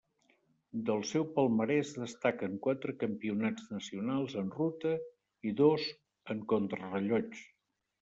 Del seu palmarès destaquen quatre campionats nacionals en ruta i dos en contrarellotge.